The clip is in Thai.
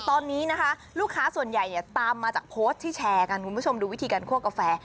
ตอนนี้นะคะลูกค้าส่วนใหญ่เนี่ยตามมาจากโพสต์ที่แชร์กันคุณผู้ชมดูวิธีการคั่วกาแฟ